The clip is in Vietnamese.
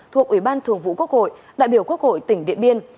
thuộc ủy ban thường vụ quốc hội đại biểu quốc hội tỉnh điện biên